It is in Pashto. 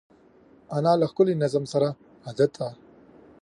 انا له ښکلي نظم سره عادت ده